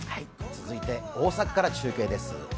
続いて大阪から中継です。